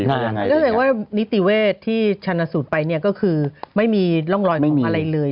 แสดงว่านิติเวศที่ชนะสูตรไปเนี่ยก็คือไม่มีร่องรอยของอะไรเลย